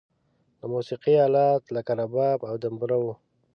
د موسیقی آلات لکه رباب او دمبوره و.